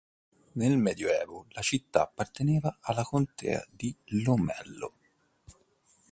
Nel Medioevo la città apparteneva alla contea di Lomello.